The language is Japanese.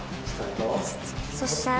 そしたら。